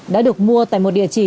đã được mua tại một địa chỉ